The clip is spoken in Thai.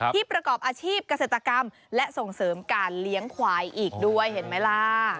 ประกอบอาชีพเกษตรกรรมและส่งเสริมการเลี้ยงควายอีกด้วยเห็นไหมล่ะ